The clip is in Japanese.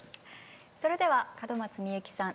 それでは門松みゆきさん